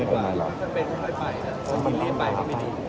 ถ้าคาดวังกันหมด